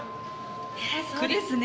ええそうですね。